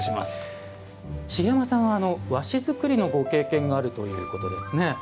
茂山さんは和紙作りのご経験があるということですね。